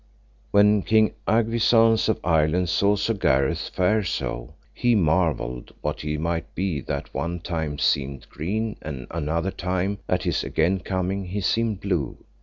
When King Agwisance of Ireland saw Sir Gareth fare so, he marvelled what he might be that one time seemed green, and another time, at his again coming, he seemed blue.